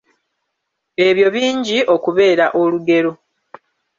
Ebyo bingi okubeera olugero.